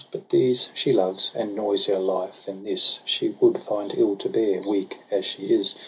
But these she loves; and noisier life than this She would find ill to bear, weak as she is.